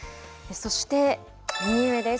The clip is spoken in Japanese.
そして右上です。